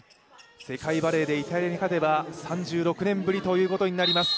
世界バレーでイタリアに勝てば３６年ぶりということになります